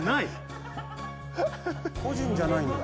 個人じゃないんだ。